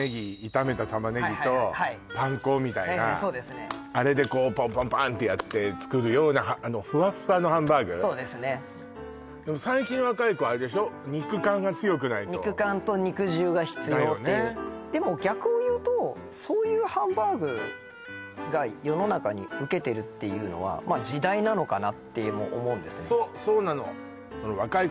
炒めた玉ねぎとパン粉みたいなあれでこうパンパンパンってやって作るようなふわっふわのハンバーグそうですね肉感と肉汁が必要っていうだよねでも逆をいうとそういうハンバーグが世の中にウケてるっていうのは時代なのかなって思うんですね